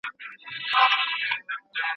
د قبض مخنیوی ډېر مهم دی.